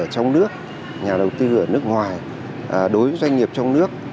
ở trong nước nhà đầu tư ở nước ngoài đối với doanh nghiệp trong nước